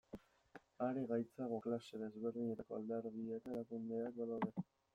Are gaitzagoa klase desberdinetako alderdi eta erakundeak badaude.